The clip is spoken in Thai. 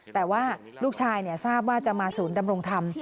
แต่ว่าลูกชายทราบว่าจะมาศูนย์ดำรงธรรม